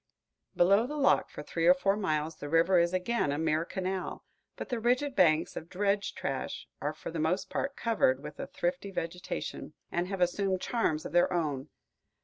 Below the lock for three or four miles, the river is again a mere canal, but the rigid banks of dredge trash are for the most part covered with a thrifty vegetation, and have assumed charms of their own.